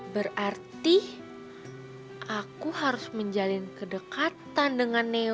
berarti aku harus menjalin kedekatan dengan neo